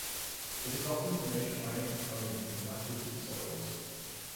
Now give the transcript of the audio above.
It is often the major iron component in lateritic soils.